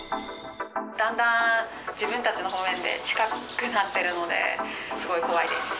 だんだん自分たちのほうまで、近くなってるので、すごい怖いです。